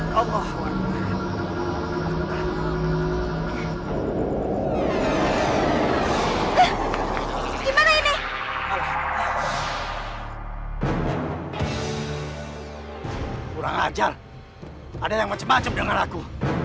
kurang ajar ada yang macam macam dengan aku